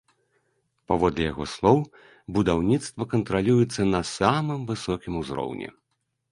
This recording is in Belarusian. Паводле яго слоў, будаўніцтва кантралюецца на самым высокім узроўні.